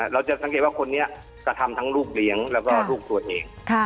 เราจะสังเกตว่าคนนี้กระทำทั้งลูกเลี้ยงแล้วก็ลูกตัวเอง